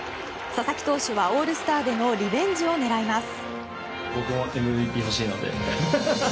佐々木投手はオールスターでのリベンジを狙います。